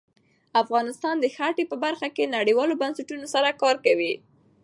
افغانستان د ښتې په برخه کې نړیوالو بنسټونو سره کار کوي.